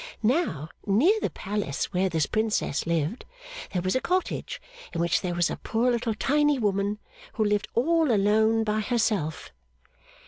Now, near the Palace where this Princess lived, there was a cottage in which there was a poor little tiny woman, who lived all alone by herself.